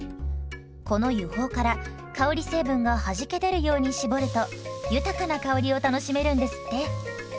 この油胞から香り成分がはじけ出るように搾ると豊かな香りを楽しめるんですって。